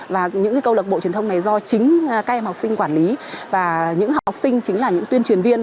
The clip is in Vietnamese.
và những câu lạc bộ truyền thông này do chính các em học sinh quản lý và những học sinh chính là những tuyên truyền viên